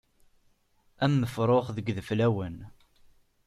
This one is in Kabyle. Am ufrux deg yideflawen.